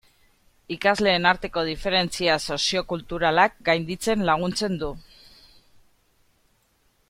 Ikasleen arteko diferentzia soziokulturalak gainditzen laguntzen du.